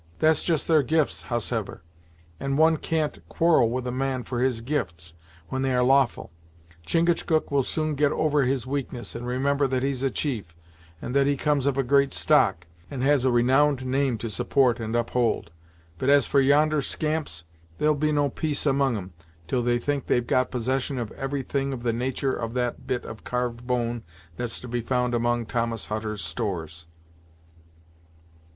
That's just their gifts, howsever, and one can't well quarrel with a man for his gifts, when they are lawful. Chingachgook will soon get over his weakness and remember that he's a chief, and that he comes of a great stock, and has a renowned name to support and uphold; but as for yonder scamps, there'll be no peace among 'em until they think they've got possession of every thing of the natur' of that bit of carved bone that's to be found among Thomas Hutter's stores!"